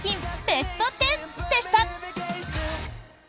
ベスト１０でした！